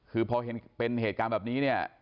คือพอเห็นเป็นเหตุการณ์แบบนี้เนี่ย